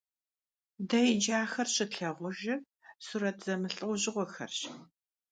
De yicı axer şıtlhağujjır suret zemılh'eujığuexerş.